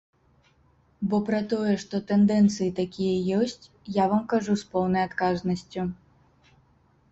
Бо пра тое, што тэндэнцыі такія ёсць, я вам кажу з поўнай адказнасцю.